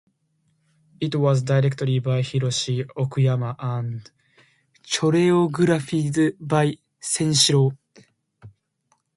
It was directed by Hiroshi Okuyama and choreographed by Seishiro.